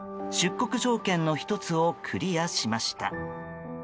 出国条件の１つをクリアしました。